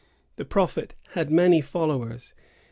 The prophet had many followers.